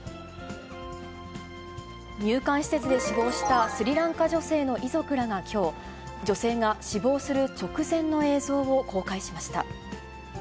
入管施設で死亡したスリランカ女性の遺族らがきょう、女性が死亡する直前の映像を公開しました。